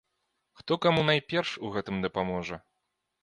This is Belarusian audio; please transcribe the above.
Хто каму найперш у гэтым дапаможа?